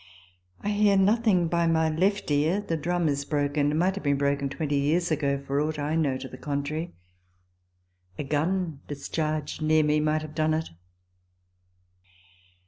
I hear nothing by my left ear. The drum is broken, and might have been broken twenty years ago, for aught I know to the contrary. A gun discharged near me might have done it.